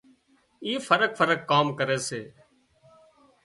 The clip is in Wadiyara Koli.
اي فرق فرق ڪام ڪري سي